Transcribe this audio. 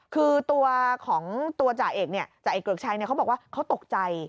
คือตัวของตัวจ่าเอกเนี่ยจ่าเอกเกริกชัยเขาบอกว่าเขาตกใจ